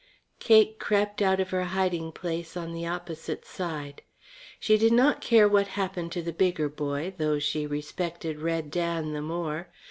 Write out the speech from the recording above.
Cake crept out of her hiding place on the opposite side. She did not care what happened to the bigger boy, though she respected Red Dan the more.